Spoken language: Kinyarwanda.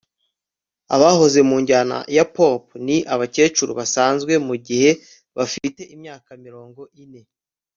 Abahoze mu njyana ya pop ni abakecuru basanzwe mugihe bafite imyaka mirongo ine